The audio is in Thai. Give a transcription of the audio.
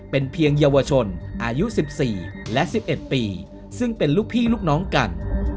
เป็นเพียงเยาวชนอายุ๑๔และ๑๑ปีซึ่งเป็นลูกพี่ลูกน้องกัน